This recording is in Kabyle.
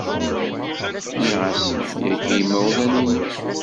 Nniɣ-asen yagi i yimawlan-nnem.